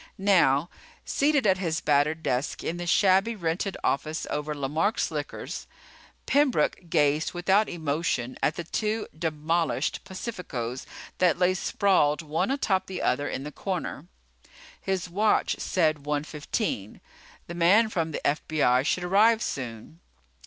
Now, seated at his battered desk in the shabby rented office over Lemark's Liquors, Pembroke gazed without emotion at the two demolished Pacificos that lay sprawled one atop the other in the corner. His watch said one fifteen. The man from the FBI should arrive soon.